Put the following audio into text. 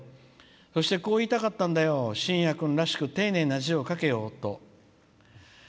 そして、こう言いたかったんだよしんや君らしく丁寧な字を書けよと」。